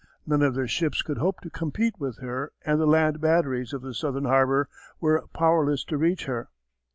None of their ships could hope to compete with her and the land batteries of the Southern harbour were powerless to reach her.